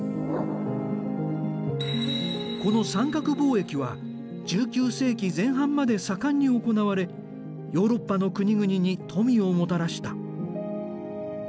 この三角貿易は１９世紀前半まで盛んに行われヨーロッパの国々に富をもたらした。